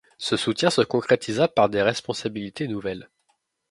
Ce soutien se concrétisa par des responsabilités nouvelles.